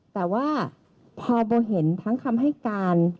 แต่ว่าพอโบเห็นทั้งคำให้การ